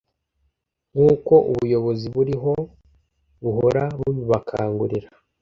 nk’uko ubuyobozi buriho buhora bubibakangurira